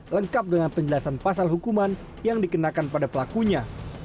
lengkap dengan penjelasan pasal hukuman yang dikenakan pada pelakunya